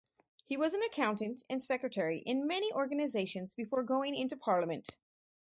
He was an Accountant and Secretary in many organizations before going into parliament.